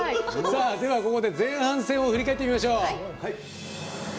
では、ここで前半戦を振り返ってみましょう。